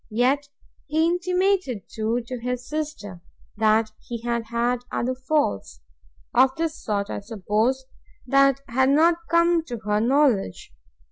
Yet he intimated too, to his sister, that he had had other faults, (of this sort, I suppose,) that had not come to her knowledge!